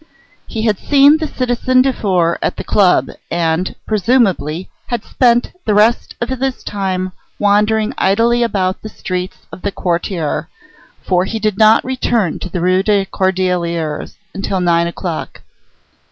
He had seen the citizen Dufour at the Club and, presumably, had spent the rest of his time wandering idly about the streets of the quartier, for he did not return to the Rue des Cordeliers until nearly nine o'clock.